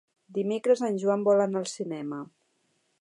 Dimecres en Joan vol anar al cinema.